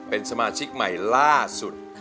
เป็นสมาชิกใหม่ล่าสุด